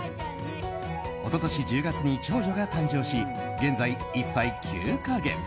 一昨年１０月に長女が誕生し現在１歳９か月。